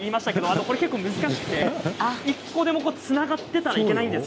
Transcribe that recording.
結構難しくて１個でもつながっていたらいけないんです。